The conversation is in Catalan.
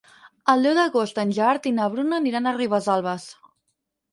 El deu d'agost en Gerard i na Bruna aniran a Ribesalbes.